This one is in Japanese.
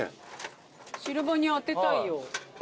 シルバニア当てたいよ。